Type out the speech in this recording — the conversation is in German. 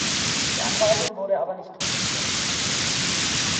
Die Anweisung wurde aber nicht durchgesetzt.